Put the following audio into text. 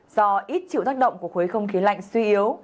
do ít chịu tác động của khối không khí lạnh suy yếu